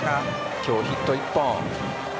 今日ヒット１本。